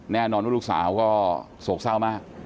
แน่นอนว่าลูกสาวก็โศกเศร้ามาก